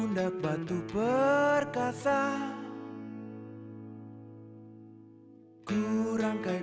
inietter peculiar makanya